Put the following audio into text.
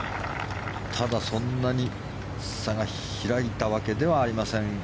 ただ、そんなに差が開いたわけではありません。